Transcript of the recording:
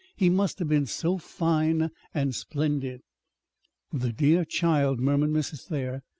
He must have been so fine and splendid!'" "The dear child!" murmured Mrs. Thayer.